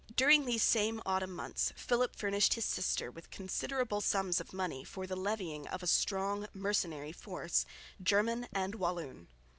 During these same autumn months Philip furnished his sister with considerable sums of money for the levying of a strong mercenary force, German and Walloon.